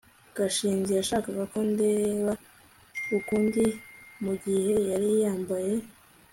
gashinzi yashakaga ko ndeba ukundi mugihe yari yambaye